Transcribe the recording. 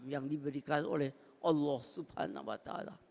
yang diberikan oleh allah swt